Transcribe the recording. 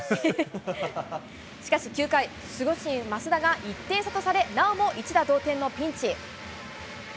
しかし９回、守護神、益田が１点差とされ、なおも一打同点のピンチ。